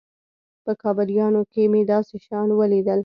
په کابليانو کښې مې داسې شيان وليدل.